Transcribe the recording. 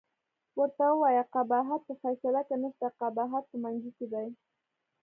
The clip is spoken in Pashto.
ورته ووایه قباحت په فیصله کې نشته، قباحت په منګي کې دی.